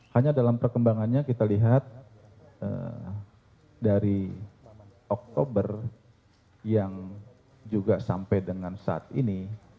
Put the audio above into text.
hanya dalam perkembangannya kita lihat dari oktober yang juga sampai dengan saat ini